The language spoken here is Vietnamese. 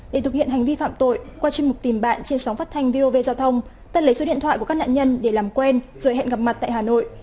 để thực hiện hành vi phạm tội qua chuyên mục tìm bạn trên sóng phát thanh vov giao thông tân lấy số điện thoại của các nạn nhân để làm quen rồi hẹn gặp mặt tại hà nội